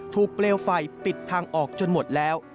เปลวไฟปิดทางออกจนหมดแล้ว